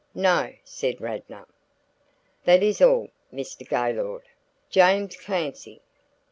"No!" said Radnor. "That is all, Mr. Gaylord. James Clancy."